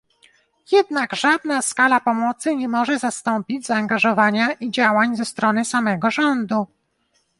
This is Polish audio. Jednak żadna skala pomocy nie może zastąpić zaangażowania i działań ze strony samego rządu